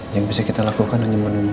yang bisa kita lakukan hanya menunggu